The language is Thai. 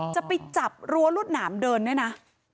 จะไปจับรั้วรวดหนามเดินด้วยนะ